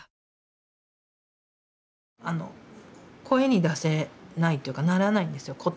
声に出せないというかならないんですよ